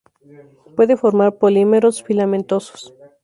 Puede formar polímeros filamentosos.